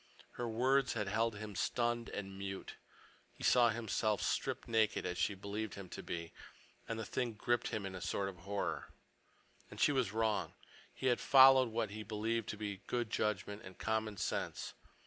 Her words had held him stunned and mute. He saw himself stripped naked, as she believed him to be, and the thing gripped him with a sort of horror. And she was wrong. He had followed what he believed to be good judgment and common sense.